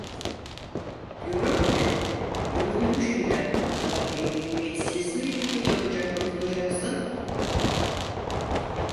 Diyorum ki, gördüğün şeyler bu kadar ehemmiyetsiz miydi ki çabucak unutacaksın?